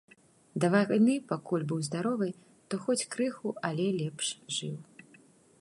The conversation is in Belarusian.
Да вайны, пакуль быў здаровы, то хоць крыху, але лепш жыў.